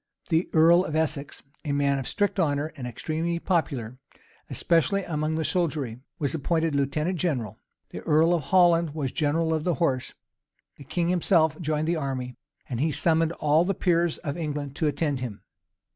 The earl of Essex, a man of strict honor, and extremely popular, especially among the soldiery, was appointed lieutenant general: the earl of Holland was general of the horse. The king himself joined the army, and he summoned all the peers of England to attend him.